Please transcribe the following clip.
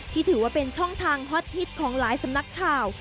ถือว่าเป็นช่องทางฮอตฮิตของหลายสำนักข่าว